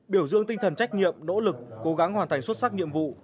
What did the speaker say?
biểu dương tinh thần trách nhiệm nỗ lực cố gắng hoàn thành xuất sắc nhiệm vụ